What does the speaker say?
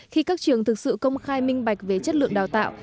khi các trường thực sự công khai minh bạch về chất lượng đào tạo